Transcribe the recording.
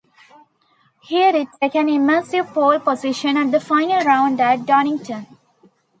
He did take an impressive pole position at the final round at Donington.